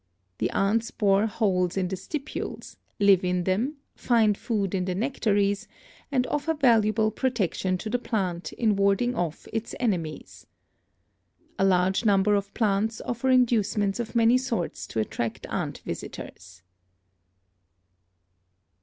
The ants bore holes in the stipules, live in them, find food in the nectaries 280 BIOLOGY and offer valuable protection to the plant in warding off its enemies. A large number of plants offer inducements of many sorts to attract ant visitors.